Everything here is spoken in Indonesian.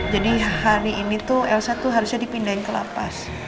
jadi hari ini tuh elsa tuh harusnya dipindahin ke la paz